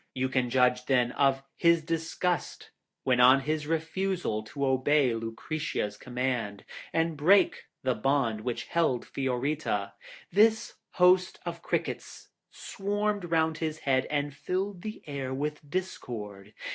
You can judge, then, of his disgust when on his refusal to obey Lucretia's command, and break the bonds which held Fiorita, this host of crickets swarmed round his head, and filled the air with discord.